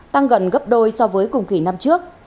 tăng gần gấp đôi so với cùng kỳ năm trước